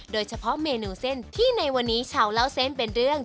โดยเฉพาะเมนูเส้นที่ในวันนี้ชาวเล่าเส้นเป็นเรื่อง